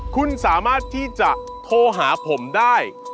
คุณสามารถที่จะโทรหาผมได้